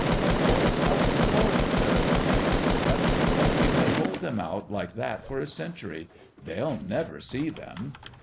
"Of course, of course," said a voice behind him, "but you may hold them out like that for a century. They'll never see them!"